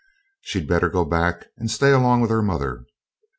She'd better go back and stay along with her mother.